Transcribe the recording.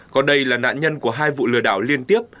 còn đây là nạn nhân của hai vụ lừa đảo liên tiếp